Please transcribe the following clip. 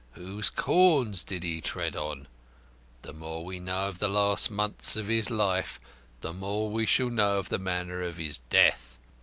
Whose corns did he tread on? The more we know of the last few months of his life the more we shall know of the manner of his death.